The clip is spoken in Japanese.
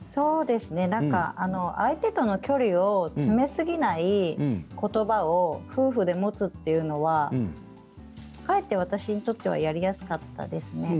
相手との距離を詰めすぎないことばを夫婦で持つというのはかえって私にとってはやりやすかったですね。